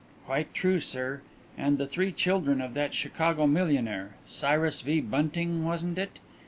"Quite true, sir. And the three children of that Chicago millionaire Cyrus V. Bunting, wasn't it?